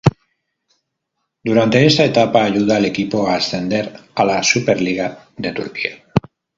Durante esta etapa ayuda al equipo a ascender a la Superliga de Turquía.